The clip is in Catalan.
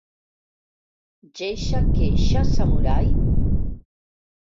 Geisha queixa samurai?